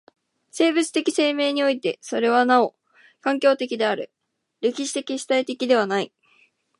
生物的生命においてはそれはなお環境的である、歴史的主体的ではない。